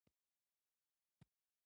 توپک ماشومان یتیموي.